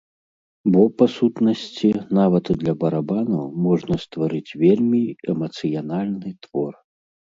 Бо, па сутнасці, нават для барабанаў можна стварыць вельмі эмацыянальны твор.